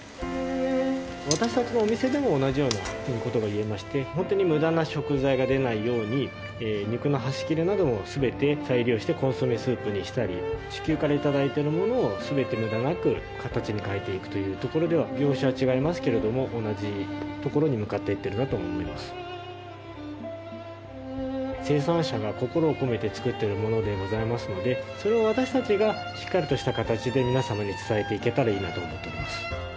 私達のお店でも同じようなことが言えまして本当に無駄な食材が出ないように肉の端切れなども全て再利用してコンソメスープにしたり地球からいただいてるものを全て無駄なく形に変えていくというところでは業種は違いますけれども同じところに向かっていってるなと思います生産者が心を込めて作っているものでございますのでそれを私達がしっかりとした形で皆さまに伝えていけたらいいなと思っております